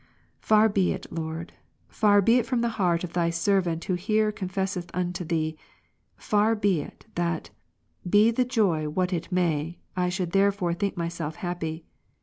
Far be it, Lord, far be it from the heart of Thy servant who here confesseth unto Thee, far be it, that, be the joy what it may, I should therefore think myself happy.